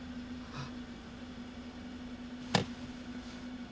あっ。